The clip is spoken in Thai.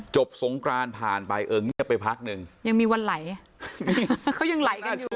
จบสงครานผ่านไปเอิงเงียบไปพักนึงยังมีวันไหลเขายังไหลกันอยู่น่าเชื่อนะ